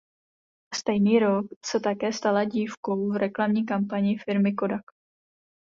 Stejný rok se také stala dívkou v reklamní kampani firmy Kodak.